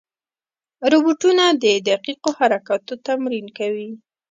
روبوټونه د دقیقو حرکاتو تمرین کوي.